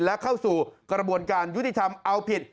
และเข้าสู่กระบวนการยุติธรรมเอาผิด